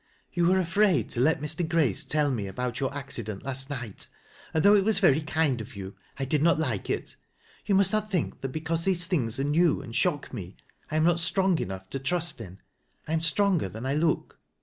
" You were afraid to let Mr. Grace tell me about youi accident last night and though it was very kind of you, I did not like it. Yon must not think that becaxise these things are new and shock me, I am not strong enough to trust in. I am stronger than I look."